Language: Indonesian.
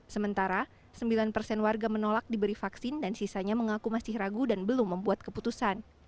sementara sembilan persen warga menolak diberi vaksin dan sisanya mengaku masih ragu dan belum membuat keputusan